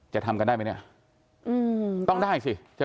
จะทำให้ได้มั้ยเนี้ย